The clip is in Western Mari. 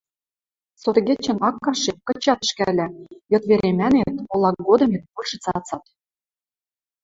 Сотыгечӹн ак каштеп, кычат ӹшкӓлӓ, йыд веремӓнет, олак годымет большы цацат.